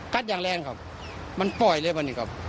กัดอย่างแรงครับมันปล่อยเลยครับ